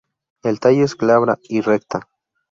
El tallo es glabra y recta.